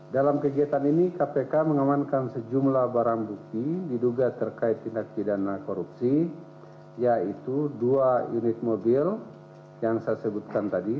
dalam kegiatan ini kpk mengamankan sejumlah barang bukti diduga terkait tindak pidana korupsi yaitu dua unit mobil yang saya sebutkan tadi